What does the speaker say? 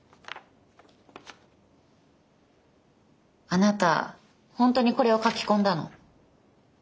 あなた本当にこれを書き込んだの？